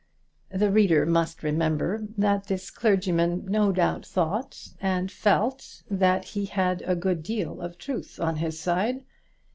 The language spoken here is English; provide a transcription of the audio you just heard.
The reader must remember that this clergyman no doubt thought and felt that he had a good deal of truth on his side.